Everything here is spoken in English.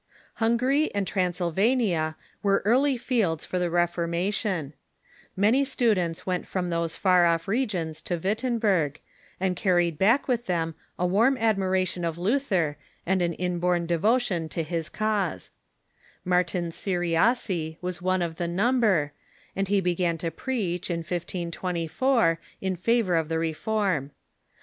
Hungary and Transylvania were early fields for the Refor mation. Many students went from those far off regions to Reform in Wittenberg, and carried back with them a warm ad Hungary and miration of Luther and an inborn devotion to his Transylvania (,j^^,gg Martin Cyriaci was one of the number, and he began to preach, in 1524, in favor of the reform.